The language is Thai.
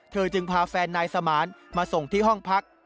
จึงพาแฟนนายสมานมาส่งที่ห้องพัก